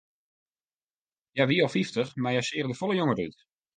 Hja wie al fyftich, mar hja seach der folle jonger út.